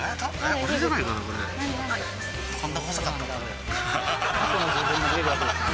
俺じゃないかな？